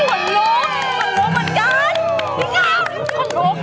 พอฟังสดใกล้แล้วมันแบบ